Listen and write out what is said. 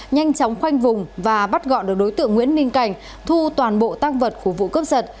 nhanh chóng khoanh vùng và bắt gọn được đối tượng nguyễn minh cảnh thu toàn bộ tác vật của vụ cướp giật